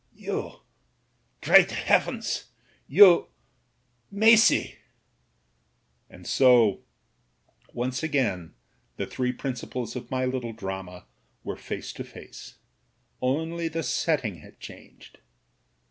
"You, great heavens, you — Maisie " And so once again the three principals of my little drama were face to face : only the setting had changed.